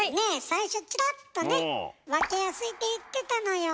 最初チラッとね「分けやすい」って言ってたのよ。